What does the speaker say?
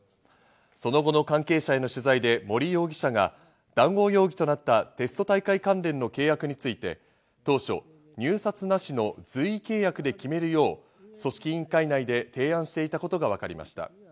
その後の関係者への取材で、森容疑者が談合容疑となったテスト大会関連の契約について当初、入札なしの随意契約で決めるよう、組織委員会内で提案していたことがわかりました。